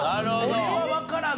これはわからん！